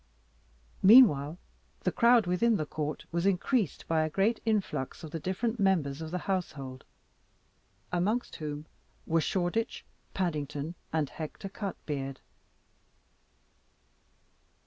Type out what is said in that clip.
Meanwhile, the crowd within the court was increased by a great influx of the different members of the household, amongst whom were Shoreditch, Paddington, and Hector Cutbeard.